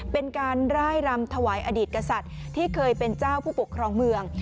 เป็นการร่ายรำถวายอดีตกษัตริย์ที่เคยเป็นเจ้าผู้ปกครองเมือง